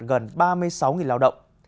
ngoài đạt gần ba mươi sáu lao động